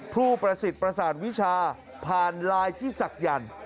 ผู้ประสิทธิ์ประสานวิชาผ่านลายที่ศักดิ์หยั่น